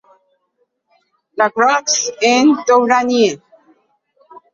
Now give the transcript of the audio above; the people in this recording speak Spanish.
La Croix-en-Touraine